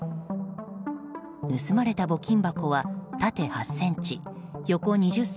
盗まれた募金箱は縦８ｃｍ、横２０ｃｍ